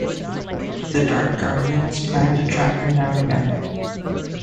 The Dark Guardians plan to track him down again.